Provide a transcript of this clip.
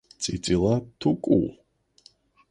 წიწილა თუ კუ?